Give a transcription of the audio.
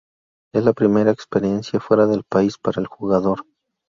Es la primera experiencia fuera del país para el jugador.